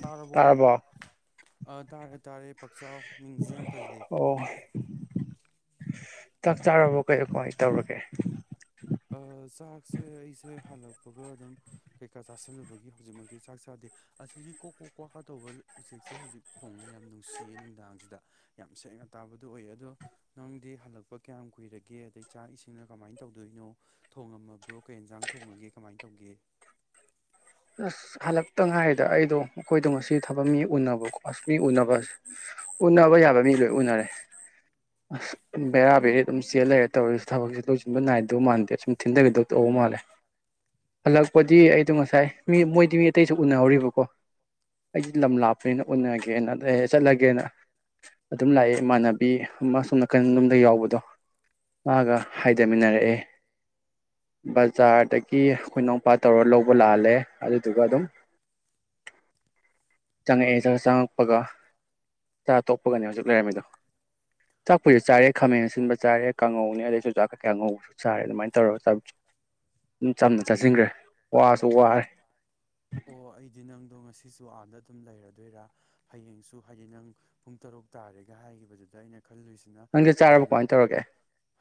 ꯇꯥꯔꯕꯣ ꯑ ꯇꯔ ꯇꯔꯦ ꯄꯛ ꯆꯥꯎ ꯃꯤꯡꯁꯦ ꯌꯥꯝ ꯐꯖꯩ ꯑꯣ ꯆꯥꯛ ꯆꯥꯔꯕꯣ ꯀꯩꯣ ꯀꯃꯥꯏꯅ ꯇꯧꯔꯒꯦ ꯆꯥꯛꯁꯦ ꯑꯩꯁꯦ ꯍꯜꯂꯛꯄꯒ ꯑꯗꯨꯝ ꯀꯩꯀꯥ ꯆꯥꯥꯁꯜꯂꯨꯕꯒꯤ ꯍꯧꯖꯤꯛꯃꯛꯇꯤ ꯆꯥꯛ ꯆꯥꯗꯦ ꯑꯁꯤꯒꯤ ꯀꯣꯛ ꯀꯣꯛ ꯀꯣꯛꯀ ꯇꯧꯕ ꯎꯆꯦꯛꯁꯦ ꯍꯧꯖꯤꯛ ꯈꯣꯡꯅ ꯌꯥꯝ ꯅꯨꯡꯁꯤꯌꯦ ꯅꯨꯡꯗꯥꯡꯁꯤꯗ ꯌꯥꯝ ꯁꯦꯡꯅ ꯇꯥꯕꯗꯣ ꯑꯣꯏꯌꯦ ꯑꯗꯣ ꯅꯪꯗꯤ ꯍꯜꯂꯛꯄ ꯀꯌꯥꯝ ꯀꯨꯏꯔꯒꯦ ꯑꯗꯩ ꯆꯥꯛ ꯏꯁꯤꯡꯅ ꯀꯃꯥꯏꯅ ꯇꯧꯗꯣꯏꯅꯣ ꯊꯣꯡꯉꯝꯃꯕ꯭ꯔꯣ ꯀꯩ ꯌꯦꯟꯁꯥꯡ ꯊꯣꯡꯉꯒꯦ ꯀꯃꯥꯏꯅ ꯇꯧꯒꯦ ꯑꯁ ꯍꯜꯂꯛꯇ ꯉ ꯍꯥꯏꯥꯏꯔꯤꯗ ꯑꯩꯗꯣ ꯑꯩꯈꯣꯏꯗꯣ ꯉꯁꯤ ꯊꯕꯛ ꯃꯤ ꯎꯅꯕꯀꯣ ꯑꯁ ꯃꯤ ꯎꯅꯕ ꯎꯅꯕ ꯌꯥꯕ ꯃꯤ ꯂꯣꯏ ꯎꯅꯔꯦ ꯑꯁ ꯕꯦꯔꯥ ꯕꯦꯔꯤ ꯑꯗꯨꯝ ꯆꯦꯜ ꯂꯩꯔꯦ ꯇꯧꯔꯁꯨ ꯊꯕꯛꯁꯦ ꯂꯣꯏꯁꯤꯟꯕ ꯅꯥꯏꯗꯧ ꯃꯥꯟꯗꯦ ꯑꯁꯨꯝ ꯊꯤꯟꯊꯈꯤꯗꯧ ꯇꯧꯕ ꯃꯥꯜꯂꯦ ꯍꯜꯂꯛꯄꯗꯤ ꯑꯩꯗꯣ ꯉꯁꯥꯏ ꯃꯤ ꯃꯣꯏꯗꯤ ꯃꯤ ꯑꯇꯩꯁꯨ ꯎꯅꯍꯧꯔꯤꯕꯀꯣ ꯑꯩꯗꯤ ꯂꯝ ꯂꯥꯞꯄꯅꯤꯅ ꯎꯅꯒꯦꯅ ꯑ ꯆꯠꯂꯒꯦꯅ ꯑꯗꯨꯝ ꯂꯥꯛꯑꯦ ꯏꯃꯥꯟꯅꯕꯤ ꯑꯃ ꯑ ꯁꯣꯝ ꯅꯥꯀꯟ ꯌꯣꯝꯗ ꯌꯥꯎꯕꯗꯣ ꯃꯥꯒ ꯍꯥꯏꯗꯃꯤꯟꯅꯔꯛꯑꯦ ꯕꯖꯥꯔꯗꯒꯤ ꯑꯩꯈꯣꯏꯅꯎꯄꯥ ꯇꯧꯔ ꯂꯧꯕ ꯂꯥꯜꯂꯦ ꯑꯗꯨꯗꯨꯒ ꯑꯗꯨꯝ ꯆꯪꯉꯛꯑꯦ ꯆꯪꯉꯛꯄꯒ ꯆꯥ ꯇꯣꯛꯄꯒꯅꯤ ꯍꯧꯖꯤꯛ ꯂꯩꯔꯝꯃꯤꯗꯣ ꯆꯥꯛꯄꯁꯨ ꯆꯥꯔꯦ ꯈꯥꯃꯦꯟ ꯑꯁꯤꯟꯕ ꯆꯥꯔꯦ ꯀꯥꯡꯉꯧꯅꯦ ꯑꯗꯩ ꯆꯨꯖꯥꯛ ꯀꯩꯀꯌꯥꯉꯧꯕꯁꯨ ꯆꯥꯔꯦ ꯑꯗꯨꯃꯥꯏꯅ ꯇꯧꯔꯒ ꯑꯗꯨꯝ ꯆꯝꯅ ꯆꯥꯁꯤꯟꯈ꯭ꯔꯦ ꯋꯥꯁꯨ ꯋꯥꯔꯦ ꯑꯣ ꯑꯩꯗꯤ ꯅꯪꯗꯣ ꯉꯁꯤꯁꯨ ꯑꯥꯗ ꯑꯗꯨꯝ ꯂꯩꯔꯗꯣꯏꯔꯥ ꯍꯌꯦꯡꯁꯨ ꯍꯥꯏꯗꯤ ꯅꯪ ꯄꯨꯡ ꯇꯔꯨꯛ ꯇꯥꯔꯦꯒ ꯍꯥꯏꯈꯤꯕꯗꯨꯗ ꯑꯩꯅ ꯈꯜꯂꯨꯏꯁꯤꯅ ꯅꯪꯗ ꯆꯥꯔꯕ ꯀꯃꯥꯏꯅ ꯇꯧꯔꯒꯦ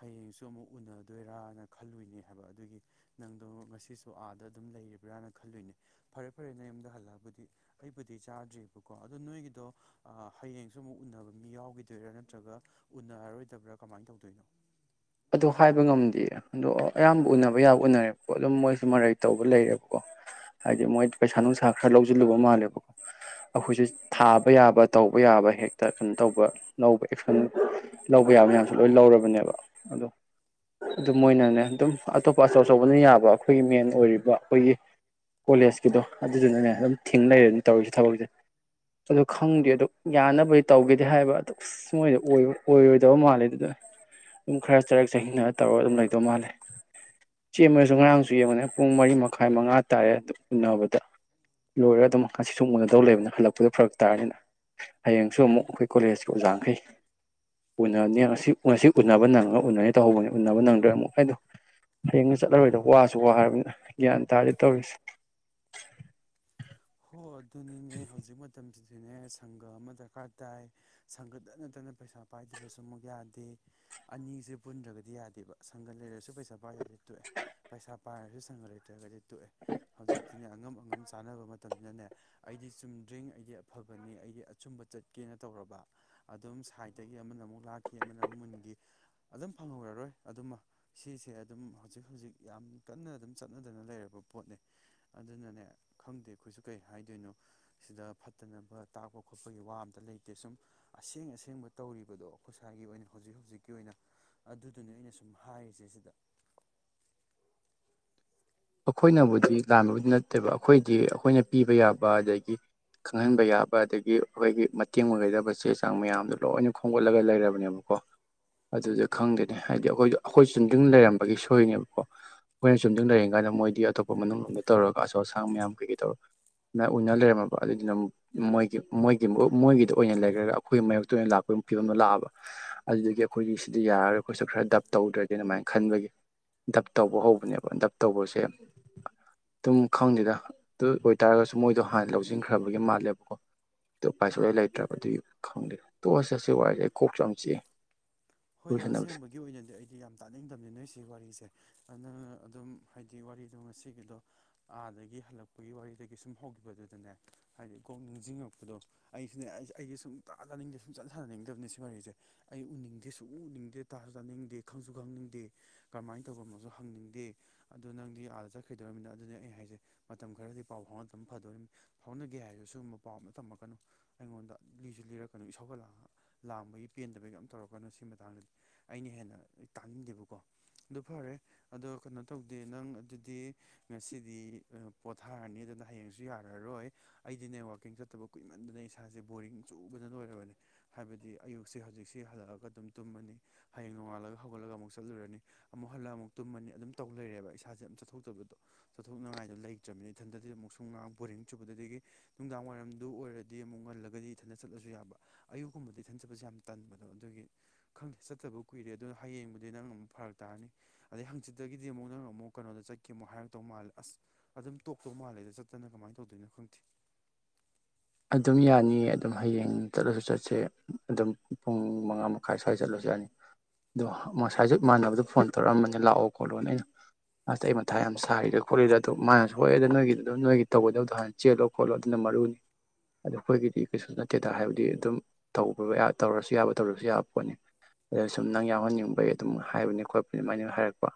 ꯍꯌꯦꯡꯁꯨ ꯑꯃꯨꯛ ꯎꯅꯗꯣꯏꯔꯥꯅ ꯈꯜꯂꯨꯏꯅꯦ ꯍꯥꯏꯕ ꯑꯗꯨꯒꯤ ꯅꯪꯗꯣ ꯉꯁꯨ ꯑꯥꯗ ꯑꯗꯨꯝ ꯂꯩꯔꯤꯕ꯭ꯔꯥꯅ ꯈꯜꯂꯨꯏꯅꯦ ꯐꯔꯦ ꯐꯔꯦ ꯅ ꯌꯨꯝꯗ ꯍꯜꯂꯛꯑꯕꯨꯗꯤ ꯑꯩꯕꯨꯗꯤ ꯆꯥꯗ꯭ꯔꯤꯑꯕꯀꯣ ꯑꯗꯣ ꯅꯣꯏꯒꯤꯗꯣ ꯍꯌꯦꯡꯁꯨ ꯑꯃꯨꯛ ꯎꯅꯕ ꯃꯤ ꯌꯥꯎꯈꯤꯗꯣꯏꯔꯥ ꯅꯠꯇ꯭ꯔꯒ ꯎꯅꯔꯔꯣꯏꯗꯕ꯭ꯔꯥ ꯀꯃꯥꯏꯅ ꯇꯧꯗꯣꯏꯅꯣ ꯑꯗꯨ ꯍꯥꯏꯕ ꯉꯝꯗꯦ ꯑꯗꯣ ꯑꯌꯥꯝꯕ ꯎꯅꯕ ꯌꯥꯕ ꯎꯅꯔꯦꯕꯀꯣ ꯑꯗꯨꯝ ꯃꯣꯏꯁꯨ ꯃꯔꯩ ꯇꯧꯕ ꯂꯩꯔꯦꯕꯀꯣ ꯍꯥꯏꯗꯤ ꯃꯣꯏ ꯄꯩꯁꯥ ꯅꯨꯡꯁꯥ ꯈꯔ ꯂꯧꯁꯤꯜꯂꯨꯕ ꯃꯥꯜꯂꯦꯕꯀꯣ ꯑꯩꯈꯣꯏꯁꯦ ꯊꯥꯕ ꯌꯥꯕ ꯇꯧꯕ ꯌꯥꯕ ꯍꯦꯛꯇ ꯀꯩꯅꯣ ꯇꯧꯕ ꯂꯧꯕ ꯑꯦꯛꯁꯟ ꯂꯧꯕ ꯌꯥꯕ ꯃꯌꯥꯝꯁꯨ ꯂꯣꯏ ꯂꯧꯔꯕꯅꯦꯕ ꯑꯗꯣ ꯑꯗꯨꯝꯣꯏꯅꯅꯦ ꯑꯗꯨꯝ ꯑꯇꯣꯞꯄ ꯑꯆꯧ ꯑꯆꯧꯕꯅ ꯌꯥꯕ ꯑꯩꯈꯣꯏꯒꯤ ꯃꯦꯟ ꯑꯣꯏꯔꯤꯕ ꯑꯩꯈꯣꯏꯒꯤ ꯀꯣꯂꯦꯖꯀꯤꯗꯣ ꯑꯗꯨꯗꯨꯅꯅꯦ ꯑꯗꯨꯝ ꯊꯤꯡꯅꯔꯦꯅ ꯇꯧꯔꯤꯁꯦ ꯊꯕꯛꯁꯦ ꯑꯗꯨ ꯈꯪꯗ꯭ꯦ ꯑꯗꯨ ꯌꯥꯅꯕꯗꯤ ꯇꯧꯒꯦꯗꯦ ꯍꯥꯏꯕ ꯑꯗꯨꯛꯁ ꯃꯣꯏꯗ ꯑꯣꯏꯔꯣꯏꯗꯕ ꯃꯥꯜꯂꯦ ꯑꯗꯨꯗ ꯈꯔ ꯆꯔꯛ ꯆꯟꯅ ꯇꯧꯔꯒ ꯑꯗꯨꯝ ꯂꯩꯗꯧ ꯃꯥꯜꯂꯦ ꯆꯦꯃꯔꯁꯨ ꯉꯔ ꯑꯉꯥꯡꯁꯨ ꯌꯦꯡꯉꯨꯅꯦ ꯄꯨꯡ ꯃꯔꯤ ꯃꯈꯥꯏ ꯃꯉꯥ ꯇꯥꯔꯦ ꯑꯗꯨꯝ ꯎꯅꯕꯗ ꯂꯣꯏꯔꯒ ꯑꯗꯨꯝ ꯉꯁꯤ ꯁꯨꯝ ꯎꯅꯗꯧ ꯂꯩꯕꯅꯤ ꯍꯜꯂꯛꯄꯗ ꯐꯔꯛ ꯇꯥꯔꯅꯤꯅ ꯍꯌꯦꯡꯁꯨ ꯑꯃꯨꯛ ꯑꯩꯈꯣꯏ ꯀꯣꯂꯦꯖꯀꯤ ꯑꯣꯖꯥꯈꯩ ꯎꯅꯅꯤ ꯉꯁꯤ ꯉꯁꯤ ꯎꯅꯕ ꯅꯪꯉꯒ ꯎꯅꯩ ꯇꯧꯍꯧꯕꯅꯤ ꯎꯅꯕ ꯅꯪꯗ꯭ꯔꯣꯏꯦ ꯑꯃꯨꯛ ꯍꯥꯏꯗꯣ ꯍꯌꯦꯡꯅ ꯆꯠꯂꯔꯣꯏꯗ ꯋꯥꯁꯨ ꯋꯥ ꯍꯥꯏꯔꯕꯅꯤꯅ ꯒ꯭ꯌꯥꯟ ꯇꯥꯔꯗꯤ ꯇꯧꯔꯤꯁꯦ ꯍꯣꯏ ꯑꯗꯨꯅꯤꯅꯦ ꯍꯧꯖꯤꯛ ꯃꯇꯝꯁꯤꯗ ꯁꯤꯅꯦ ꯁꯪꯒ ꯑꯃ ꯗꯔꯀꯥꯔ ꯇꯥꯏ ꯁꯪꯒꯗ ꯅꯠꯇꯅ ꯄꯩꯁꯥ ꯄꯥꯏꯗꯕꯁꯨ ꯑꯃꯨꯛ ꯌꯥꯗꯦ ꯑꯅꯤꯁꯦ ꯄꯨꯟꯗ꯭ꯔꯒꯗꯤ ꯌꯥꯗꯦꯕ ꯁꯪꯒ ꯂꯩꯔꯁꯨ ꯄꯩꯁꯥ ꯄꯦ ꯇ ꯄꯩꯁꯥ ꯄꯥꯏꯔꯁꯨ ꯁꯪꯉ ꯂꯩꯇ꯭ꯔꯒꯗꯤ ꯇꯣꯛꯑꯦ ꯍꯧꯖꯤꯛꯇꯤꯅꯤ ꯑꯉꯝ ꯑꯉꯝ ꯆꯥꯅꯕ ꯃꯇꯝꯅꯅꯦ ꯑꯩꯗꯤ ꯆꯨꯝꯗ꯭ꯔꯤꯡ ꯑꯩꯗꯤ ꯑꯐꯕꯅꯤ ꯑꯩꯗꯤ ꯑꯆꯨꯝꯕ ꯆꯠꯀꯦꯅ ꯇꯧꯔꯕ ꯑꯗꯨꯝ ꯁꯥꯏꯠꯇꯒꯤ ꯑꯃꯅ ꯑꯃꯨꯛ ꯂꯥꯛꯈꯤ ꯑꯃꯅ ꯑꯃꯨꯛ ꯃꯨꯟꯈꯤ ꯑꯗꯨꯝ ꯐꯪꯍꯧꯔꯔꯣꯏ ꯑꯗꯨꯃ ꯁꯤꯁꯦ ꯑꯗꯨꯝ ꯍꯧꯖꯤꯛ ꯍꯧꯖꯤꯛ ꯌꯥꯝ ꯀꯟꯅ ꯑꯗꯨꯝ ꯆꯠꯅꯗꯅ ꯂꯩꯔꯕ ꯄꯣꯠꯅꯤ ꯑꯗꯨꯅꯅꯦ ꯈꯪꯗꯦ ꯑꯩꯈꯣꯏꯁꯨ ꯀꯩ ꯍꯥꯏꯗꯣꯏꯅꯣ ꯁꯤꯗ ꯐꯠꯇꯅꯕ ꯇꯥꯛꯄ ꯈꯣꯠꯄꯒꯤ ꯋꯥ ꯑꯝꯇ ꯂꯩꯇꯦ ꯁꯨꯝ ꯑꯁꯦꯡ ꯑꯁꯦꯡꯕ ꯇꯧꯔꯤꯕꯗꯣ ꯑꯩꯈꯣꯏꯁ꯭ꯥꯏꯒꯤ ꯑꯣꯏꯅ ꯍꯧꯖꯤꯛ ꯍꯧꯖꯤꯛꯀꯤ ꯑꯣꯏꯅ ꯑꯗꯨꯗꯨꯅꯦ ꯑꯩꯅ ꯁꯨꯝ ꯍꯥꯏꯔꯤꯁꯦ ꯁꯤꯗ ꯑꯩꯈꯣꯏꯅꯕꯨꯗꯤ ꯂꯥꯟꯕꯕꯨꯗꯤ ꯅꯠꯇꯦꯕ ꯑꯩꯈꯣꯏꯗꯤ ꯑꯩꯈꯣꯏꯅ ꯄꯤꯕ ꯌꯥꯕ ꯑꯗꯒꯤ ꯈꯪꯍꯟꯕ ꯌꯥꯕ ꯑꯗꯒꯤ ꯑꯩꯈꯣꯏꯒꯤ ꯃꯇꯦꯡ ꯑꯣꯏꯒꯗꯕ ꯆꯦ ꯆꯥꯡ ꯃꯌꯥꯝꯗꯣ ꯂꯣꯏꯅ ꯈꯣꯝꯒꯠꯂꯒ ꯂꯩꯔꯕꯅꯦꯕꯀꯣ ꯑꯗꯨꯗ ꯈꯪꯗꯦꯅꯦ ꯍꯥꯏꯗꯤ ꯑꯩꯈꯣꯏꯗ ꯑꯩꯈꯣꯏ ꯆꯨꯝꯗꯤꯡ ꯂꯩꯔꯝꯕꯒꯤ ꯁꯣꯏꯅꯦꯕꯀꯣ ꯑꯩꯈꯣꯏꯅ ꯆꯨꯝꯗꯤꯡ ꯂꯩ ꯑꯗꯨꯃꯥꯏꯅ ꯃꯣꯏꯗꯤ ꯑꯇꯣꯞꯄ ꯃꯅꯨꯡ ꯑꯃꯗ ꯇꯧꯔꯒ ꯑꯆꯧ ꯑꯁꯥꯡ ꯃꯌꯥꯝ ꯀꯩꯀꯩ ꯇꯧꯔ ꯑꯗꯨꯃꯥꯏꯅ ꯎꯅ ꯂꯩꯔꯝꯃꯕ ꯑꯗꯨꯗꯨꯅ ꯃꯣꯏꯒꯤ ꯃꯣꯏꯒꯤ ꯃꯣꯏꯒꯤꯗ ꯑꯣꯏꯅ ꯂꯩꯈꯔꯒ ꯑꯩꯈꯣꯏꯒꯤ ꯃꯥꯏꯣꯛꯇ ꯑꯣꯏꯅ ꯂꯥꯛꯄꯒꯤ ꯐꯤꯕꯝ ꯑꯃ ꯂꯥꯛꯑꯕ ꯑꯗꯨꯗꯒꯤ ꯑꯩꯈꯣꯏꯒꯤ ꯁꯤꯗ ꯌꯥꯔꯔꯒ ꯑꯩꯈꯣꯏꯁꯨ ꯈꯔ ꯗꯞ ꯇꯧꯗ꯭ꯔꯗꯤ ꯑꯗꯨꯃꯥꯏꯅ ꯈꯟꯕꯒꯤ ꯗꯞ ꯇꯧꯕ ꯍꯧꯕꯅꯦꯕ ꯗꯞ ꯇꯧꯕꯁꯦ ꯑꯗꯨꯝ ꯈꯪꯗꯦꯗ ꯑꯗꯨ ꯑꯣꯏꯇꯥꯔꯒꯁꯨ ꯃꯣꯏꯗꯣ ꯍꯥꯟꯅ ꯂꯧꯁꯤꯟꯈ꯭ꯔꯕꯒꯤ ꯃꯥꯜꯂꯦꯕꯀꯣ ꯑꯗꯨꯣ ꯎ ꯄꯥꯏꯁꯨꯂꯥꯏ ꯂꯩꯇ꯭ꯔꯕ ꯑꯗꯨꯒꯤ ꯈꯪꯗꯦꯗ ꯇꯣꯛꯑꯁ ꯑꯁ ꯋꯥꯔꯤꯏꯁꯦ ꯑꯩ ꯀꯣꯛꯁꯨ ꯌꯥꯝ ꯆꯤꯛꯏꯦ ꯍꯣꯏꯗ ꯑꯁꯦꯡꯕꯒꯤ ꯑꯣꯏꯅꯗꯤ ꯑꯩꯗꯤ ꯌꯥꯝ ꯇꯥꯅꯤꯡꯗꯕꯅꯤ ꯅꯣꯏ ꯁꯤ ꯋꯥꯔꯤꯁꯦ ꯑꯗꯨꯅ ꯑꯗꯨꯝ ꯍꯥꯏꯗꯤ ꯋꯥꯔꯤꯗꯣ ꯉꯒꯤꯗꯣ ꯑꯥꯗꯒꯤ ꯍꯜꯂꯛꯄꯒꯤ ꯋꯥꯔꯤꯗꯒꯤ ꯁꯨꯝ ꯍꯧꯈꯤꯕꯗꯨꯗꯅꯦ ꯍꯥꯏꯗꯤ ꯀꯣꯛ ꯅꯤꯡꯁꯤꯡꯉꯛꯄꯗꯣ ꯑꯩꯁꯤꯅꯦ ꯑꯩꯒꯤ ꯁꯨꯝ ꯇꯥꯖꯅꯤꯡꯗꯦ ꯁꯨꯝ ꯆꯠ ꯍꯜꯅꯅꯤꯡꯗꯕꯅꯤ ꯁꯤ ꯋꯥꯔꯤꯁꯦ ꯑꯩ ꯎꯅꯤꯡꯗꯦ ꯁꯨꯝ ꯇꯨꯅꯤꯡꯗꯦ ꯇꯥꯁꯨ ꯇꯥꯅꯤꯡꯗꯦ ꯈꯪꯁꯨ ꯈꯪꯅꯤꯡꯗꯦ ꯀꯔꯝꯍꯥꯏꯅ ꯇꯧꯕ ꯑꯃꯁꯁꯨ ꯍꯪꯅꯤꯡꯗꯦ ꯑꯗꯨꯣ ꯅꯪꯗꯤ ꯑꯥꯗ ꯆꯠꯈꯤꯗꯧꯔꯤꯕꯃꯤꯅ ꯑꯗꯨꯗꯤ ꯑꯩ ꯍꯥꯏꯁꯦ ꯃꯇꯝ ꯈꯔꯗꯤ ꯄꯥꯎ ꯐꯥꯎꯅꯗꯕꯅ ꯐꯗꯣꯔꯤꯕꯅꯤ ꯐꯥꯎꯅꯒꯦ ꯍꯥꯏꯔꯗꯨꯁꯨ ꯁꯤꯨꯒꯨꯝꯕ ꯄꯥꯎ ꯑꯃ ꯇꯝꯃꯛꯀꯅꯨ ꯑꯩꯉꯣꯟꯗ ꯂꯤꯁꯨ ꯂꯤꯔꯛꯀꯅꯨ ꯏꯁꯧꯒꯠꯂ ꯂꯥꯡꯕꯒꯤ ꯄꯦꯟꯗꯕꯒꯤ ꯌꯥꯝ ꯇꯧꯔꯛꯀꯅꯨ ꯁꯤ ꯗꯤ ꯑꯩꯅ ꯍꯦꯟꯅ ꯇꯥꯅꯤꯡꯗꯦꯕꯀꯣ ꯑꯗꯨ ꯐꯔꯦ ꯑꯗꯣ ꯀꯩꯅꯣ ꯇꯧꯗꯦ ꯅꯪ ꯑꯗꯨꯗꯤ ꯉꯁꯤꯗꯤ ꯄꯣꯊꯥꯔꯅꯤ ꯑꯗꯨꯅ ꯍꯌꯦꯡꯁꯨ ꯌꯥꯔꯔꯣꯏ ꯑꯩꯗꯤꯅꯦ ꯋꯥꯛꯀꯤꯡ ꯆꯠꯇꯕ ꯀꯨꯏꯃꯟꯗꯅ ꯏꯁꯥꯁꯦ ꯕꯣꯔꯤꯡ ꯆꯨꯕꯗ ꯂꯣꯏꯔꯕꯅꯦ ꯍꯥꯏꯕꯗꯤ ꯑꯌꯨꯛꯁꯦ ꯍꯧꯖꯤꯛꯁꯦ ꯍꯜꯂꯛꯑꯒ ꯑꯗꯨꯝ ꯇꯨꯝꯃꯅꯤ ꯍꯌꯦꯡ ꯅꯣꯡꯉꯥꯜꯂꯒ ꯍꯧꯒꯠꯂꯒ ꯑꯃꯨꯛ ꯆꯠꯂꯨꯔꯅꯤ ꯑꯃꯨꯛ ꯍꯜꯂꯒ ꯑꯃꯨꯛ ꯇꯨꯝꯃꯅꯤ ꯑꯗꯨꯝ ꯇꯧ ꯂꯩꯔꯦꯕ ꯏꯁꯥꯁꯦ ꯑꯃꯝ ꯆꯠꯊꯣꯛꯇꯕꯗꯣ ꯆꯠꯊꯣꯛꯅꯉꯥꯏꯗꯣ ꯂꯩꯇ꯭ꯔꯃꯤꯅꯤ ꯏꯊꯟꯗꯗꯤ ꯑꯃꯨꯛ ꯁꯨꯡꯥꯡ ꯕꯣꯔꯤꯡ ꯆꯨꯕꯗ ꯑꯗꯒꯤ ꯅꯨꯡꯗꯥꯡ ꯋꯥꯏꯔꯝꯗꯨ ꯑꯣꯏꯔꯗꯤ ꯑꯃꯨꯛ ꯉꯜꯂꯒꯗꯤ ꯏꯊꯟꯗ ꯆꯠꯂꯁꯨ ꯌꯥꯕ ꯑꯌꯨꯛꯨꯝꯕꯗꯗꯤ ꯏꯊꯟ ꯆꯠꯄꯁꯦ ꯌꯥꯝ ꯇꯟꯕꯗꯣ ꯑꯗꯨꯒꯤ ꯈꯪꯗꯦ ꯆꯠꯇꯕꯕꯨ ꯀꯨꯏꯔꯦ ꯑꯗꯨꯅ ꯍꯌꯦꯡꯕꯨꯗꯤ ꯅꯪꯅ ꯑꯃꯨꯛ ꯐꯔꯛ ꯇꯥꯔꯅꯤ ꯑꯗꯩ ꯍꯪꯆꯤꯠꯇꯒꯤꯗꯤ ꯑꯃꯨꯛ ꯅꯪꯅ ꯑꯃꯨꯛ ꯀꯩꯅꯣꯗ ꯆꯠꯀꯦ ꯑꯃꯨꯣ ꯍꯥꯏꯔꯛꯇꯧ ꯃꯥꯜꯂꯦ ꯑꯁ ꯑꯗꯨꯝ ꯇꯣꯛꯇꯧ ꯃꯥꯜꯂꯦꯗ ꯆꯠꯇꯅ ꯀꯃꯥꯏꯅ ꯇꯧꯗꯣꯏꯅꯣ ꯈꯪꯗꯦ ꯑꯗꯨꯝ ꯌꯥꯅꯤꯌꯦ ꯑꯗꯨꯝ ꯍꯌꯦꯡ ꯆꯠꯂꯁꯨ ꯆꯠꯁꯦ ꯑꯗꯨꯝ ꯄꯨꯡ ꯃꯉꯥ ꯃꯈꯥꯏ ꯁ꯭ꯋꯥꯏꯗ ꯆꯠꯂꯁꯨ ꯌꯥꯅꯤ ꯑꯗꯣ ꯃꯁꯥꯏꯁꯨ ꯃꯥꯟꯅꯕꯗꯣ ꯐꯣꯟ ꯇꯧꯔꯛꯑꯝꯕꯅꯦ ꯂꯥꯛꯑꯣ ꯈꯣꯠꯂꯣꯅ ꯑꯩꯅ ꯑꯁꯇ ꯑꯩ ꯃꯊꯥ ꯌꯥꯝ ꯁꯥꯔꯤꯔꯦ ꯈꯣꯠꯂꯤꯔꯦ ꯑꯗꯣ ꯃꯥꯅꯁꯨ ꯁ ꯍꯣꯏꯑꯦꯅ ꯅꯣꯏꯒꯤꯗ ꯑꯗꯨꯝ ꯅꯣꯏꯒꯤ ꯇꯧꯒꯗꯧꯗꯣ ꯍꯥꯟꯅ ꯆꯦꯜꯂꯣ ꯈꯣꯠꯂꯣ ꯑꯗꯨꯅ ꯃꯔꯨꯅꯤ ꯑꯗꯨ ꯑꯩꯈꯣꯏꯒꯤꯗꯤ ꯀꯩꯁꯨ ꯅꯠꯇꯦꯗ ꯍꯥꯏꯕꯗꯤ ꯑꯗꯨꯝ ꯇ ꯇꯧꯔꯁꯨ ꯌꯥꯕ ꯇꯧꯔꯁꯨ ꯌꯥꯕ ꯄꯣꯠꯅꯤ ꯑꯗ ꯁꯨꯝ ꯅꯪ ꯌꯥꯎꯍꯟꯅꯤꯡꯕꯒꯤ ꯑꯗꯨꯝ ꯍꯥꯏꯕꯅꯤ ꯈꯣꯠꯄꯅꯤ ꯑꯗꯨꯃꯥꯏꯅ ꯍꯥꯏꯔꯛꯄ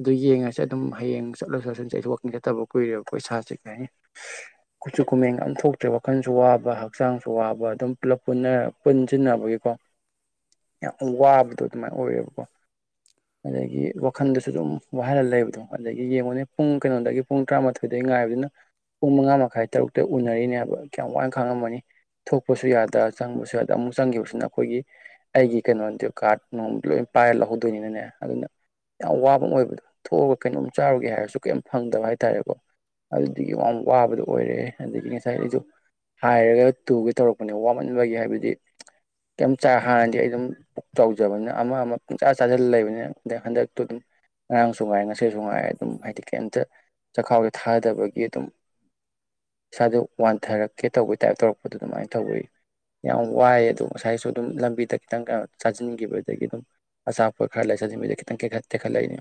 ꯑꯗꯨ ꯌꯦꯡꯉꯁꯦ ꯑꯗꯨꯝ ꯍꯌꯦꯡ ꯆꯠꯂꯁꯨ ꯆꯠꯁꯤꯁ ꯑꯩꯁꯨ ꯋꯥꯛꯀꯤꯡ ꯆꯠꯇꯕ ꯀꯨꯏꯔꯦꯕꯀꯣꯣꯏ ꯏꯁꯥꯁꯦ ꯀꯩ ꯍꯥꯏꯅꯤ ꯀꯆꯨ ꯀꯨꯃꯦꯟ ꯑ ꯊꯣꯛ ꯋꯥꯈꯜꯁꯨ ꯋꯥꯕ ꯍꯛꯆꯥꯡꯁꯨ ꯋꯥꯕ ꯑꯗꯨꯝ ꯄꯨꯂꯞ ꯄꯨꯟꯁꯤꯟꯅꯕꯒꯤꯀꯣ ꯌꯥꯝ ꯋꯥꯕꯗꯣ ꯑꯗꯨꯃꯥꯏꯅ ꯑꯣꯏꯌꯦꯕꯀꯣ ꯑꯗꯒꯤ ꯋꯥꯈꯟꯗꯁꯨ ꯑꯗꯨꯝ ꯋꯥꯍꯜꯂ ꯂꯩꯕꯗꯣ ꯑꯗꯒꯤ ꯌꯦꯡꯉꯨꯅꯦ ꯄꯨꯡ ꯀꯩꯅꯣꯗꯒꯤ ꯄꯨꯡ ꯇꯔꯥꯃꯥꯊꯣꯏꯗꯒꯤ ꯉꯥꯏꯕꯗꯨꯅ ꯄꯨꯡ ꯃꯉꯥ ꯃꯈꯥꯏ ꯇꯔꯨꯛꯇ ꯎꯅꯔꯤꯅꯦꯕ ꯀꯌꯥꯝ ꯋꯥꯏꯅ ꯈꯪꯉꯝꯃꯅꯤ ꯊꯣꯛꯄꯁꯨ ꯌꯥꯗ ꯆꯪꯕꯁꯨ ꯌꯥꯗ ꯑꯃꯨꯛ ꯆꯪꯈꯤꯕꯁꯤꯅ ꯑꯩꯈꯣꯏꯒꯤ ꯑꯩꯒꯤ ꯀꯩꯅꯣꯗꯤ ꯀꯥꯔꯠ ꯗ ꯂꯣꯏ ꯄꯥꯏꯔ ꯂꯧꯍꯧꯗꯣꯏꯅꯤꯅꯅꯦ ꯑꯗꯨꯅ ꯌꯥꯝ ꯋꯥꯕ ꯑꯃ ꯑꯣꯏꯕꯗꯣ ꯊꯣꯛꯑꯒ ꯀꯩꯅꯣꯝ ꯆꯥꯔꯨꯒꯦ ꯍꯥꯏꯔꯁꯨ ꯀꯩꯝ ꯐꯪꯗꯕ ꯍꯥꯏꯇꯥꯔꯦꯀꯣ ꯑꯗꯨꯗꯒꯤ ꯋꯥꯕꯗꯣ ꯑꯣꯏꯔꯦ ꯑꯗꯒꯤ ꯉꯁꯥꯏ ꯉꯁꯥꯏ ꯑꯩꯁꯨ ꯍꯥꯏꯔꯒ ꯇꯨꯒꯦ ꯇꯧꯔꯛꯄꯅꯦ ꯋꯥꯃꯟꯕꯒꯤ ꯍꯥꯏꯕꯗꯤ ꯀꯩꯝ ꯍꯥꯟꯅꯗꯤ ꯑꯩ ꯑꯗꯨꯝ ꯄꯨꯛ ꯆꯥꯎꯖꯕꯅꯤꯅ ꯑꯃ ꯑꯃ ꯄꯨꯡꯆꯥꯥ ꯆꯥꯁꯤꯜꯂ ꯂꯩꯕꯅꯤꯅ ꯍꯟꯗꯛ ꯍꯟꯗꯛꯇꯨ ꯑꯗꯨꯝ ꯉꯔꯥꯡꯁꯨ ꯉꯥꯏꯦ ꯉꯁꯁꯨ ꯉꯥꯏ ꯑꯗꯨꯝ ꯍꯥꯏꯗꯤ ꯀꯩꯝꯇ ꯆꯈꯥꯎꯁꯦ ꯊꯥꯗꯕꯒꯤ ꯑꯗꯨꯝ ꯏꯁꯥꯗꯣ ꯄꯠꯊꯔꯛꯀꯦ ꯇꯧꯕꯒꯤ ꯇꯥꯏꯞ ꯇꯧꯔꯛꯄꯗꯣ ꯑꯗꯨꯃꯥꯏꯅ ꯇꯧꯏ ꯌꯥꯝ ꯋꯥꯏꯌꯦ ꯑꯗꯣ ꯉꯁꯥꯏꯁꯨ ꯑꯗꯨꯝ ꯂꯝꯕꯤꯗ ꯈꯤꯇꯪ ꯀꯩꯅꯣ ꯆꯥꯖꯤꯟꯈꯤꯕꯗꯒꯤ ꯑꯗꯨꯝ ꯑꯆꯥ ꯄꯣꯠ ꯈꯔ ꯂꯩꯁꯟ [unintelligible] ꯈꯤꯇꯪ ꯇꯦꯛꯈꯠꯂꯛꯏꯅꯤ꯫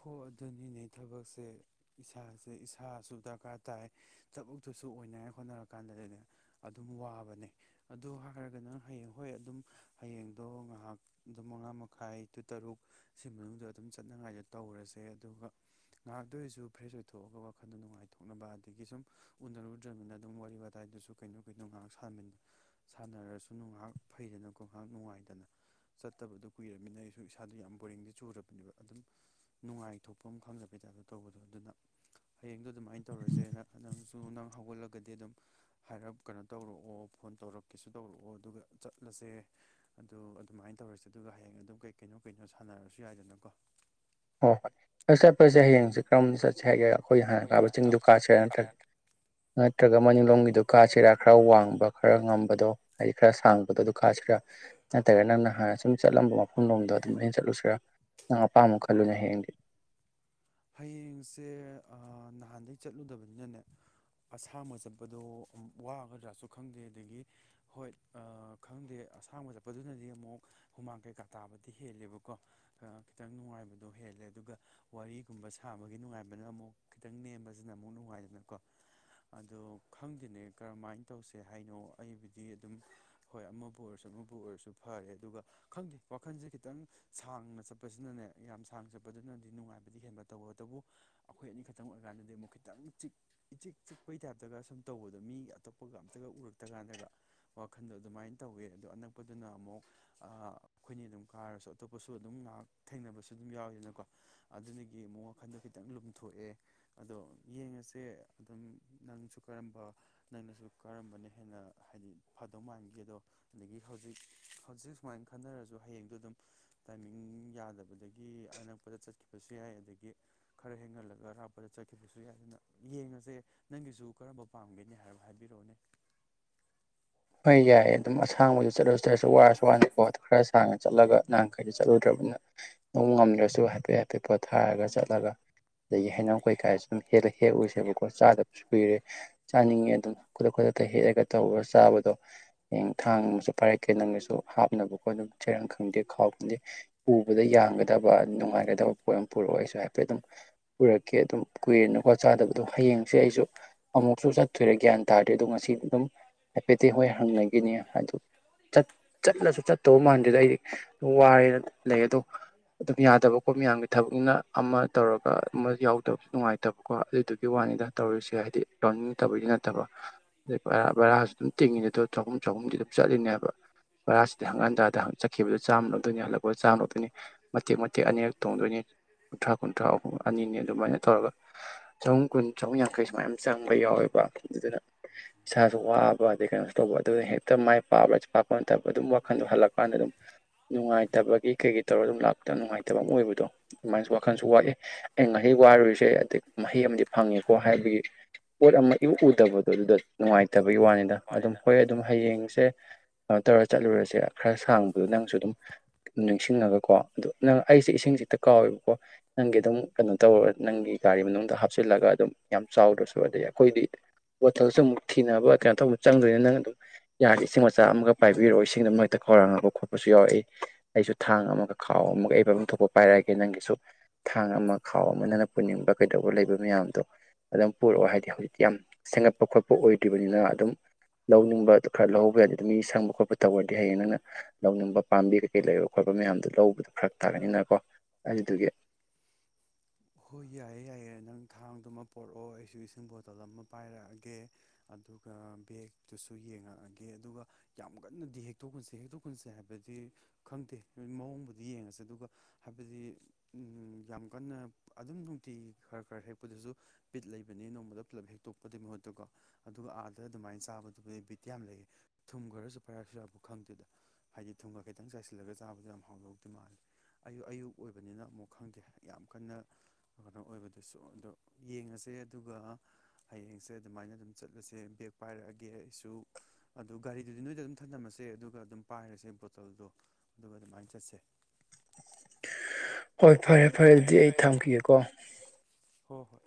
ꯍꯣꯏ ꯑꯗꯨꯅꯤꯅꯦ ꯊꯕꯛꯁꯦ ꯏꯁꯥꯁꯦ ꯏꯁꯥꯁꯨ ꯗꯔꯀꯥꯔ ꯇꯥꯏ ꯊꯕꯛꯇꯨꯁꯨ ꯑꯣꯏꯅꯉꯥꯏ ꯍꯣꯠꯅꯔ ꯀꯥꯟꯗꯗꯤꯅꯦ ꯑꯗꯨꯝ ꯋꯥꯕꯅꯦ ꯑꯗꯨ ꯍꯥꯏꯔꯒꯅ ꯍꯌꯦꯡ ꯍꯣꯏ ꯑꯗꯨꯝ ꯍꯌꯦꯡꯗꯣ ꯉꯥꯏꯍꯥꯛ ꯑꯗꯨꯝ ꯃꯉꯥ ꯃꯈꯥꯏ ꯇꯨ ꯇꯔꯨꯛ ꯁꯤ ꯃꯅꯨꯡꯗ ꯑꯗꯨꯝ ꯆꯠꯅꯉꯥꯏ ꯇꯧꯔꯁꯦ ꯑꯗꯨꯒ ꯉꯥꯏꯍꯥꯛꯇꯣ ꯑꯩꯁꯨ ꯐ꯭ꯔꯦꯁ ꯑꯣꯏꯊꯣꯛꯑꯒ ꯋꯥꯈꯟꯗꯣ ꯅꯨꯡꯉꯥꯏꯊꯣꯛꯅꯕ ꯑꯗꯒꯤ ꯁꯨꯝ ꯎꯅꯔꯨꯗ꯭ꯔꯕꯅꯤꯅ ꯑꯗꯨꯝ ꯋꯥꯔꯤ ꯋꯥꯇꯥꯏꯗꯨꯁꯨ ꯀꯩꯅꯣ ꯀꯩꯅꯣ ꯉꯥꯏꯍꯥꯛ ꯁꯥꯟꯃꯤꯟꯅ ꯁꯥꯟꯅꯔꯁꯨ ꯉꯥꯏꯍꯥꯛ ꯐꯩꯗꯅꯀꯣ ꯉꯥꯏꯍꯥꯛ ꯅꯨꯡꯉꯥꯏꯗꯅ ꯆꯠꯇꯕꯗ ꯀꯨꯏꯔꯕꯃꯤꯅ ꯑꯩꯁꯨ ꯏꯁꯥꯗ ꯌꯥꯝ ꯕꯣꯔꯤꯡꯗꯤ ꯆꯨꯔꯕꯅꯦꯕ ꯑꯗꯨꯝ꯫ ꯅꯨꯡꯉꯥꯏꯊꯣꯛꯄ ꯑꯃ ꯈꯪꯗꯕꯩꯇꯥꯗꯣ ꯇꯧꯕꯗꯣ ꯑꯗꯨꯅ ꯍꯌꯦꯡꯗꯣ ꯑꯗꯨꯃꯥꯏꯅ ꯇꯧꯔꯁꯦ ꯅꯪꯁꯨ ꯅꯪ ꯍꯧꯒꯠꯂꯒꯗꯤ ꯑꯗꯨꯝ ꯍꯥꯏꯔꯞ ꯀꯩꯅꯣ ꯇꯧꯔꯛꯑꯣ ꯐꯣꯟ ꯇꯧꯔꯛꯀꯦꯁꯨ ꯇꯧꯔꯛꯑꯣ ꯑꯗꯨꯒ ꯆꯠꯂꯁꯦ ꯑꯗꯨꯗ ꯑꯗꯨꯃꯥꯏꯅ ꯇꯧꯔꯁꯦ ꯑꯗꯨꯒ ꯍꯌꯦꯡ ꯑꯗꯨꯝ ꯀꯩ ꯀꯩꯅꯣ ꯀꯩꯅꯣ ꯁꯥꯟꯅꯔꯁꯨ ꯌꯥꯏꯗꯅꯀꯣ꯫ ꯍꯣꯏ ꯍꯣꯏ ꯑꯗꯨ ꯆꯠꯄꯁꯦ ꯍꯌꯦꯡꯁꯦ ꯀꯔꯝꯅ ꯆꯠꯁꯦ ꯍꯥꯏꯒꯦꯔꯣ꯫ ꯑꯩꯈꯣꯏ ꯍꯥꯟꯅ ꯍꯣꯏ ꯀꯥꯕ ꯆꯤꯡꯗꯨ ꯀꯥꯁꯦ ꯅꯠꯇ꯭ꯔ ꯌꯥꯝ ꯅꯠꯇ꯭ꯔꯒ ꯃꯅꯤꯡꯂꯣꯝꯒꯤꯗꯨꯣ ꯀꯥꯁꯤꯔ ꯈꯔ ꯋꯥꯡꯕ ꯈꯔ ꯉꯝꯕꯗꯣ ꯍꯥꯏꯗꯤ ꯈꯔ ꯁꯥꯡꯕꯗꯣ ꯑꯗꯨ ꯀꯥꯁꯤꯔꯥ ꯅꯠꯇ꯭ꯔꯒ ꯅꯪꯅ ꯍꯥꯟꯅ ꯁꯨꯝ ꯆꯠꯂꯝꯕ ꯃꯐꯝꯂꯣꯝꯗ ꯑꯗꯨꯝ ꯍꯦꯟ ꯆꯠꯂꯨꯁꯤꯔꯥ ꯅꯪ ꯑꯄꯥꯝꯕ ꯈꯜ ꯈꯜꯂꯨꯅꯦ ꯍꯌꯦꯡꯗꯤ꯫ ꯍꯌꯦꯡꯁꯦ ꯅꯍꯥꯟꯗꯩꯩ ꯆꯠꯂꯨꯗꯕꯅꯤꯅꯅꯦ ꯑꯁꯥꯡꯕ ꯆꯠꯄꯗꯣ ꯋꯥꯒꯗ꯭ꯔꯥꯁꯨ ꯈꯪꯗꯦ ꯑꯗꯒꯤ ꯍꯣꯏ ꯈꯪꯗꯦ ꯑꯁꯥꯡꯕ ꯆꯠꯄꯗꯨꯅꯗꯤ ꯑꯃꯨꯛ ꯍꯨꯃꯥꯡ ꯀꯩꯀꯥ ꯇꯥꯕꯗꯤ ꯍꯦꯜꯂꯦꯕꯀꯣ ꯈꯤꯇꯪ ꯅꯨꯡꯉꯥꯏꯕꯗꯣ ꯍꯦꯜꯂꯦ ꯑꯗꯨꯒ ꯋꯥꯔꯤ꯫ ꯁꯨꯝꯕ ꯁꯥꯕꯒꯤ ꯅꯨꯡꯉꯥꯏꯕꯅ ꯑꯃꯨꯛ ꯈꯤꯇꯪ ꯅꯦꯝꯕꯁꯤꯅ ꯑꯃꯨꯛ ꯅꯨꯡꯉꯥꯏꯗꯅꯀꯣ ꯑꯗꯣ ꯈꯪꯗꯦꯅꯦ ꯀꯔꯝꯍꯥꯏꯅ ꯇꯧꯁꯦ ꯍꯥꯏꯅꯣ ꯑꯩꯕꯨꯗꯤ ꯑꯗꯨꯝ ꯍꯣꯏ ꯑꯃꯕꯨ ꯑꯣꯏꯔꯁꯨ ꯑꯃꯕꯨ ꯑꯣꯏꯔꯁꯨ ꯐꯔꯦ ꯑꯗꯨꯒ ꯈꯪꯗꯦ ꯋꯥꯈꯜꯁꯦ ꯈꯤꯇꯪ ꯁꯥꯡꯅ ꯆꯠꯄꯁꯤꯅꯅꯦ ꯌꯥꯝ ꯁꯥꯡꯅ ꯆꯠꯄꯗꯨꯅꯗꯤ ꯅꯨꯡꯉꯥꯏꯕꯗꯤ ꯍꯦꯟꯕ꯫ ꯇꯧꯕꯇꯕꯨ ꯑꯩꯈꯣꯏ ꯑꯅꯤꯈꯛꯇꯪ ꯑꯣꯏꯔꯀꯥꯟꯗꯗꯤ ꯑꯃꯨꯛ ꯈꯤꯇꯡ ꯏꯆꯤꯛ ꯆꯤꯛꯄꯒꯤ ꯇꯥꯏꯞꯇꯒ ꯁꯨꯝ ꯇꯧꯕꯗꯣ ꯃꯤ ꯑꯇꯣꯞꯄꯒ ꯑꯝꯇꯒ ꯎꯔꯛꯇꯀꯥꯟꯗꯒ ꯋꯥꯈꯟꯗꯣ ꯑꯗꯨꯃꯥꯏꯅ ꯇꯧꯋꯦ ꯑꯗꯣ ꯑꯅꯛꯄꯗꯨꯅ ꯑꯃꯨꯛ ꯑꯩꯈꯣꯏꯅꯤ ꯑꯗꯨꯝ ꯀꯥꯔꯁꯨ ꯑꯇꯣꯞꯄꯁꯨ ꯑꯗꯨꯝ ꯉꯥꯏꯍꯥꯛ ꯊꯦꯡꯅꯕꯁꯨ ꯑꯗꯨꯝ ꯌꯥꯎꯋꯤꯗꯅꯀꯣ ꯑꯗꯨꯅ꯫ ꯒꯤ ꯑꯃꯛ ꯋꯥꯈꯟꯗꯣ ꯈꯤꯇꯪ ꯂꯨꯝꯊꯣꯛꯑꯦ ꯑꯗꯣ ꯌꯦꯡꯉꯁꯦ ꯑꯗꯨꯝ ꯅꯪꯁꯨ ꯀꯔꯝꯕ ꯅꯪꯅꯁꯨ ꯀꯔꯝꯕꯅ ꯍꯦꯟꯅ ꯍꯥꯏꯗꯤ ꯐꯗꯧ ꯃꯥꯟꯈꯤ ꯑꯗꯣ ꯑꯗꯒꯤ ꯍꯧꯖꯤꯛ ꯍꯧꯖꯤꯛ ꯁꯨꯃꯥꯏꯅ ꯈꯟꯅꯔꯁꯨ ꯍꯌꯦꯡꯗꯣ ꯑꯗꯨꯝ ꯇꯥꯏꯃꯤꯡ ꯌꯥꯗꯕꯗꯒꯤ ꯑꯅꯛꯄꯗ ꯆꯠꯈꯤꯕꯁꯨ ꯌꯥꯏ ꯑꯣ꯫ ꯑꯗꯒꯤ ꯈꯔ ꯍꯦꯟꯒꯠꯂꯒ ꯑꯔꯥꯞꯄꯗ ꯆꯠꯈꯤꯕꯁꯨ ꯌꯥꯏ ꯑꯗꯨꯅ ꯌꯦꯡꯉꯁꯦ ꯅꯪꯒꯤꯁꯨ ꯀꯔꯝꯕ ꯄꯥꯝꯒꯦꯅꯤ ꯍꯥꯏꯕ ꯍꯥꯏꯕꯤꯔꯛꯑꯣꯅꯦ꯫ ꯍꯣꯏ ꯌꯥꯏꯌꯦ ꯑꯗꯨꯝ ꯑꯁꯥꯡꯕꯗ ꯆꯠꯂꯨꯁꯤꯗꯔꯁꯨ ꯋꯥꯔꯁꯨ ꯋꯥꯅꯀꯣ ꯈꯔ ꯁꯥꯡꯅ ꯆꯠꯂꯒ ꯅꯍꯥꯟꯈꯩꯗ ꯆꯠꯂꯨꯗ꯭ꯔꯕꯅꯤꯅ ꯑꯗꯨꯝ ꯉꯝꯗ꯭ꯔꯁꯨ ꯍꯥꯏꯐꯦꯠ ꯍꯥꯏꯐꯦꯠ ꯄꯣꯠꯊꯥꯔꯒ ꯆꯠꯂꯒ꯫ ꯑꯗꯒꯤ ꯍꯩꯅꯧ ꯀꯩꯀꯥꯁꯨ ꯑꯗꯨꯝ ꯍꯦꯛꯂ ꯍꯦꯛ ꯎꯁꯦꯕꯀꯣ ꯆꯥꯗꯕꯁꯨ ꯀꯨꯏꯔꯦ꯫ ꯆꯥꯅꯤꯡꯉꯦ ꯑꯗꯨꯅ ꯈꯨꯗꯛ ꯈꯨꯗꯛꯇ ꯍꯦꯛꯂꯒ ꯇꯔ ꯆꯥꯕ ꯑꯗꯣ ꯍꯌꯦꯡ ꯊꯥꯡꯅꯁꯨ ꯐꯥꯏꯔꯛꯀꯦ ꯅꯪꯅꯁꯨ ꯍꯥꯞꯅꯕꯀꯣ ꯑꯗꯨꯝ ꯆꯩꯦꯔꯪ ꯈꯪꯗꯦ ꯈꯥꯎ ꯈꯪꯗꯦ ꯄꯨꯕꯗ ꯌꯥꯡꯒꯗꯕ ꯅꯨꯡꯉꯥꯏꯒꯗꯕ ꯄꯣꯠ ꯑꯃ ꯄꯨꯔꯛꯑꯣ ꯑꯩꯁꯨ ꯍꯥꯏꯐꯦꯠ ꯑꯗꯨꯝ ꯄꯨꯔꯛꯀꯦ ꯑꯗꯨꯝ ꯀꯨꯏꯔꯅꯀꯣ ꯆꯥꯗꯕꯗꯣ ꯍꯌꯦꯡꯁꯦ ꯑꯩꯁꯨ ꯑꯃꯨꯛꯁꯨ ꯆꯠꯇꯣꯏꯔꯦ ꯒ꯭ꯌꯥꯟ ꯇꯥꯗ꯭ꯔꯦ ꯑꯗꯣ ꯉꯁꯤ ꯑꯗꯨꯝ꯫ ꯍꯥꯏꯐꯦꯠꯇꯤ ꯍꯣꯏ ꯍꯪꯅꯒꯤꯅꯤ ꯍꯥꯏꯗ ꯆꯠꯂꯁꯨ ꯆꯠꯇꯧ ꯃꯥꯟꯗꯦꯗ ꯑꯩꯗꯤ ꯋꯥꯔꯦꯅ ꯂꯩ ꯑꯗꯣ ꯑꯗꯨꯝ ꯌꯥꯗꯕꯀꯣ ꯃꯤꯌꯥꯝꯒꯤ ꯊꯕꯛꯅꯤꯅ ꯑꯃ ꯇꯧꯔꯒ ꯑꯃ ꯌꯥꯎꯗꯕꯁꯨ ꯅꯨꯡꯉꯥꯏꯇꯕꯀꯣ ꯑꯗꯨꯗꯨꯒꯤ ꯋꯥꯅꯤꯗ ꯇꯧꯔꯤꯁꯦ ꯍꯥꯏꯗꯤ꯫ ꯇꯧꯅꯤꯡ ꯇꯕꯒꯤ ꯅꯠꯇꯕ ꯑꯗꯩ ꯕꯔꯥ ꯕꯔꯥꯁꯨ ꯑꯗꯨꯝ꯫ ꯇꯤꯡꯉꯤꯗꯣ ꯗꯣ ꯆꯍꯨꯝ ꯆꯍꯨꯝꯗꯤ ꯑꯗꯨꯝ ꯆꯠꯂꯤꯅꯦꯕ ꯕꯔꯥꯁꯤꯗ ꯍꯪꯒꯠ ꯍꯟꯗꯥꯗ ꯆꯠꯈꯤꯕꯗꯣ ꯆꯥꯝꯃ ꯂꯧꯗꯣꯏꯅꯤ ꯍꯜꯂꯛꯄꯗ ꯆꯥꯝꯃ ꯂꯧꯗꯣꯏꯅꯤ ꯃꯇꯦꯛ ꯃꯇꯦꯛ ꯑꯅꯤꯔꯛ ꯇꯣꯡꯗꯣꯏꯅꯤ ꯀꯨꯟꯊ꯭ꯔꯥ ꯀꯨꯟꯊ꯭ꯔꯥ ꯑꯍꯨꯝ ꯑꯍꯨꯝ ꯑꯅꯤ ꯑꯅꯤ ꯑꯗꯨꯃꯥꯏꯅ ꯇꯧꯔꯒ ꯆꯍꯨꯝ ꯀꯨꯟ ꯆꯍꯨꯝ ꯌꯥꯡꯈꯩ ꯁꯨꯃꯥꯏꯅ ꯆꯪꯉ [unintelligible] ꯌꯥꯎꯋꯦꯕ ꯑꯗꯨꯅ ꯏꯁꯥꯁꯨ ꯋꯥ ꯋꯥ ꯑꯗꯩ ꯀꯩꯅꯣꯁꯨ ꯇꯧꯕ ꯑꯗꯨꯅ ꯍꯦꯛꯇ ꯃꯥꯏ ꯄꯥꯛꯑꯕꯁꯨ ꯄꯥꯛꯄ ꯅꯠꯇꯕ ꯑꯗꯨꯝ ꯋꯥꯈꯟꯗꯣ ꯍꯜꯂꯛꯀꯥꯟꯗ ꯑꯗꯨꯝ ꯅꯨꯡꯉꯥꯏꯇꯕꯒꯤ ꯀꯩꯀꯩ ꯇꯧꯔꯒ ꯑꯗꯨꯝ ꯂꯥꯛꯄꯗ ꯌꯥꯝ ꯅꯨꯡꯉꯥꯏꯇꯕ ꯑꯃ ꯑꯣꯏꯕꯗꯣ ꯑꯗꯨꯃꯥꯏ ꯋꯥꯈꯜꯁꯨ ꯋꯥꯠꯂꯦ ꯑꯩ ꯉꯥꯏꯍꯩ ꯋꯥꯔꯨꯔꯤꯁꯦ ꯑꯩ ꯑ ꯃꯍꯩ ꯑꯃꯗꯤ ꯐꯪꯉꯦꯀꯣ ꯍꯥꯏꯕꯒꯤ ꯄꯣꯠ ꯑꯃ ꯏꯎ ꯎꯗꯕꯗꯣ ꯑꯗꯨꯗ ꯅꯨꯡꯉꯥꯏ ꯇꯕꯒꯤ ꯋꯥꯅꯤ꯫ ꯑꯗꯨꯝ ꯋꯥꯅꯤꯗ ꯍꯣꯔꯦꯟ ꯑꯗꯨꯝ ꯍꯌꯦꯡꯁꯦ꯫ ꯀꯩꯅꯣ ꯇꯧꯔ ꯆꯠꯂꯨꯔꯁꯦ ꯈꯔ ꯁꯥꯡꯕꯗꯣ ꯅꯪꯁꯨ ꯑꯗꯨꯝ ꯅꯤꯡꯁꯤꯡꯉꯒꯀꯣ ꯑꯗꯣ ꯅꯪ ꯑꯩꯁꯦ ꯏꯁꯤꯡꯁꯤꯛꯇ ꯀꯥꯎꯋꯦꯕꯀꯣ ꯅꯪꯒꯤ ꯑꯗꯨꯝ ꯀꯩꯅꯣ ꯇꯧꯔꯒ ꯅꯪꯒꯤ ꯒꯥꯔꯤ ꯃꯅꯨꯡꯗ ꯍꯥꯞꯆꯤꯜꯂꯒ ꯑꯗꯨꯝ ꯌꯥꯝ ꯆꯥꯎꯗ꯭ꯔꯁꯨ ꯑꯗꯩ ꯑꯩꯈꯣꯏꯗꯤ ꯕꯣꯇꯜꯁꯨ ꯑꯃꯨꯛ ꯊꯤꯅꯕ ꯀꯩꯅꯣ ꯇꯧꯕ꯫ ꯆꯪꯗꯣꯏꯅꯤ ꯅꯪ ꯑꯗꯨ ꯌꯥꯗꯤ ꯏꯁꯤꯡ ꯃꯆꯥ ꯑꯃꯒ ꯄꯥꯏꯕꯤꯔꯛꯑꯣ ꯏꯁꯤꯡꯗꯨ ꯃꯔꯛꯇ ꯈꯥꯎꯔꯥꯡꯉꯕ ꯈꯣꯠꯄꯁꯨ ꯌꯥꯎꯔꯛꯏ ꯑꯩꯁꯨ ꯊꯥꯡ ꯑꯃꯒ ꯈꯥꯎ ꯑꯃꯒ ꯑꯩꯕꯝ ꯊꯣꯛꯄ ꯄꯥꯏꯔꯛꯑꯒꯦ ꯅꯪꯒꯤꯁꯨ ꯊꯥꯡ ꯑꯃ ꯈꯥꯎ ꯑꯃ ꯅꯪꯅ ꯄꯨꯅꯤꯡꯕ ꯀꯩꯗꯧꯕ ꯂꯩꯕ ꯃꯌꯥꯝꯗꯣ ꯑꯗꯨꯝ ꯄꯨꯔꯛꯑꯣ ꯍꯥꯏꯗꯤ ꯍꯧꯖꯤꯛꯇꯤ ꯌꯥꯝ ꯁꯦꯝꯒꯠꯄ ꯈꯣꯠꯄ ꯑꯣꯏꯗ꯭ꯔꯤꯕꯅꯤꯅ ꯑꯗꯨꯝ꯫ ꯂꯧꯅꯤꯡꯕꯗꯣ ꯈꯔ ꯂꯧꯕ ꯌꯥꯗꯤ ꯑꯗꯨꯝ ꯃꯤ ꯁꯪꯕ ꯈꯣꯠꯄ ꯇꯧꯔꯗꯤ ꯍꯌꯦꯡ ꯅꯪꯅ ꯂꯧꯅꯤꯡꯕ ꯄꯥꯝꯕꯤ ꯀꯩꯀꯩ ꯂꯩꯕ ꯈꯣꯠꯄ ꯃꯌꯥꯝꯗꯣ ꯂꯧꯕꯗꯣ ꯈꯔ ꯇꯥꯛꯒꯅꯤꯅꯀꯣ ꯑꯗꯨꯗꯨꯒꯤ꯫ ꯍꯣꯏ ꯌꯥꯏꯌꯦ ꯌꯥꯏꯌꯦ ꯅꯪ ꯊꯥꯡꯗꯨꯃ ꯄꯣꯔꯛꯑꯣ ꯑꯩꯁꯨ ꯏꯁꯤꯡ ꯕꯣꯇꯜ ꯑꯃ ꯄꯥꯏꯔꯛꯑꯒꯦ ꯑꯗꯨꯒ ꯕꯦꯒꯇꯨꯁꯨ ꯌꯦꯡꯉꯛꯑꯒꯦ ꯑꯗꯨꯒ ꯌꯥꯝ ꯀꯟꯅꯗꯤ ꯍꯦꯛꯇꯣꯛꯀꯨꯟꯁꯦ ꯍꯦꯛꯇꯣꯛ ꯈꯨꯨꯟꯁꯦ ꯍꯥꯏꯕꯗꯤ ꯈꯪꯗꯦ ꯃꯑꯣꯡꯕꯨꯗꯤ ꯌꯦꯡꯉꯁꯦ ꯑꯗꯨꯒ ꯍꯥꯏꯕꯗꯤ ꯌꯥꯝ ꯀꯟꯅ꯫ ꯑꯗꯨꯝ ꯅꯨꯡꯇꯤ ꯈꯔ ꯈꯔ ꯍꯦꯛꯄꯗꯁꯨ ꯕꯤꯠ ꯂꯩꯕꯅꯤ ꯅꯣꯡꯃꯗ ꯄꯨꯂꯞ ꯍꯦꯛꯛꯇꯣꯛꯄꯗꯨꯩ ꯃꯍꯨꯠꯇꯀꯣ ꯑꯗꯨꯒ ꯑꯥꯗ ꯑꯗꯨꯃꯥꯏꯅ ꯆꯥꯕꯗꯨꯕꯨꯗꯤ ꯕꯤꯠꯇꯤ ꯌꯥꯝ ꯂꯩꯌꯦ ꯊꯨꯝ ꯈꯔꯁꯨ ꯄꯥꯏꯔꯁꯨ ꯌꯥꯕꯨ ꯈꯪꯗꯦꯗ ꯍꯥꯏꯗꯤ ꯊꯨꯝ ꯈꯔ ꯈꯤꯇꯪ ꯆꯥꯏꯁꯤꯜꯂꯒ ꯆꯥꯕꯗ ꯌꯥꯝ ꯍꯥꯎꯔꯧꯗꯦ ꯃꯥꯜꯂꯦ ꯑꯌꯨꯛ ꯑꯌꯨꯛ ꯑꯣꯏꯕꯅꯤꯅ ꯑꯃꯨꯛ ꯈꯪꯗꯦ ꯌꯥꯝ ꯀꯟꯅ꯫ ꯀꯩꯅꯣ ꯑꯣꯏꯕꯗꯨꯁꯨ ꯑꯗꯣ ꯌꯦꯡꯉꯁꯦ ꯑꯗꯨꯒ ꯍꯌꯦꯡꯁꯦ ꯑꯗꯨꯃꯥꯏꯅ ꯑꯗꯨꯝ ꯆꯠꯂꯁꯦ ꯕꯦꯒ ꯄꯥꯏꯔꯛꯑꯒꯦ ꯑꯩꯁꯨ ꯑꯗꯨ ꯒꯥꯔꯤꯗꯨꯗꯤ ꯅꯣꯏꯗ ꯑꯗꯨꯝ ꯊꯝꯅꯝꯃꯁꯦ ꯑꯗꯨꯒ ꯑꯗꯨꯝ ꯄꯥꯏꯔꯁꯦ ꯕꯣꯇꯜꯗꯣ ꯑꯗꯨꯒ ꯑꯗꯨꯃꯥꯏꯅ ꯆꯠꯁꯦ꯫ ꯍꯣꯏ꯫ ꯐꯔꯦ ꯐꯔꯦ ꯑꯗꯨꯗꯤ ꯑꯩ ꯊꯝꯈꯤꯒꯦꯀꯣ꯫ ꯍꯣꯏ ꯍꯣꯏ꯫